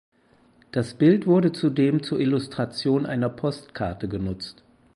Das Bild wurde zudem zur Illustration einer Postkarte genutzt.